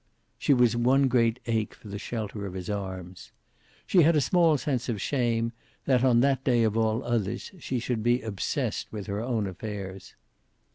She was one great ache for the shelter of his arms. She had a small sense of shame that, on that day of all others, she should be obsessed with her own affairs.